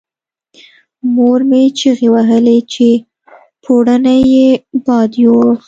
مور مې چیغې وهلې چې پوړونی یې باد یووړ.